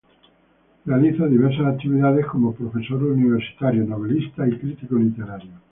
Realiza diversas actividades como profesor universitario, novelista y crítico literario.